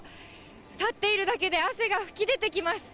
立っているだけで汗が噴き出てきます。